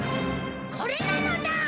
これなのだ！